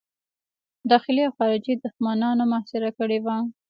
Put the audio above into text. داخلي او خارجي دښمنانو محاصره کړی وو.